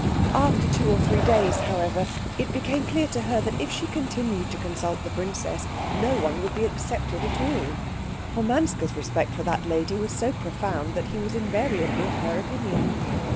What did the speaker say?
After two or three days, however, it became clear to her that if she continued to consult the princess, no one would be accepted at all, for Manske's respect for that lady was so profound that he was invariably of her opinion.